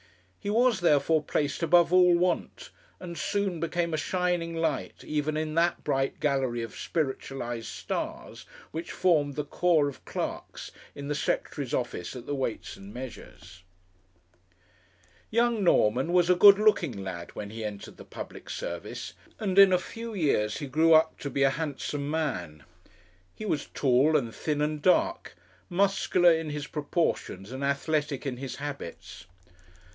He was, therefore, placed above all want, and soon became a shining light even in that bright gallery of spiritualized stars which formed the corps of clerks in the Secretary's Office at the Weights and Measures. Young Norman was a good looking lad when he entered the public service, and in a few years he grew up to be a handsome man. He was tall and thin and dark, muscular in his proportions, and athletic in his habits.